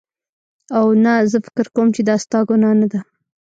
او نه زه فکر کوم چې دا ستا ګناه نده